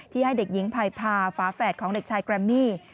ให้เด็กหญิงพายพาฝาแฝดของเด็กชายแกรมมี่